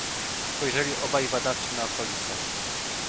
"Spojrzeli obaj badawczo na okolicę."